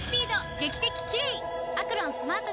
劇的キレイ！